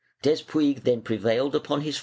Despuig then prevailed upon his • MSS.